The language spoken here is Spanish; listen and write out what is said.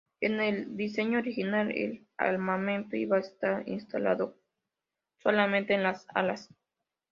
En el diseño original, el armamento iba a estar instalado solamente en las alas.